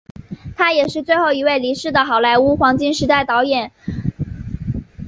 他也是最后一位离世的好莱坞黄金时代电影导演。